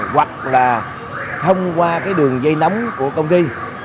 hoặc là thông qua cái đường dây nóng của công ty